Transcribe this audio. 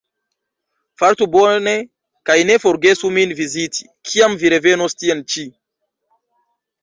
Fartu bone kaj ne forgesu min viziti, kiam vi revenos tien ĉi.